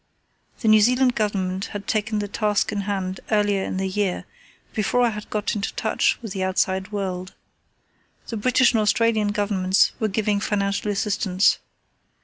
The New Zealand Government had taken the task in hand earlier in the year, before I had got into touch with the outside world. The British and Australian Governments were giving financial assistance.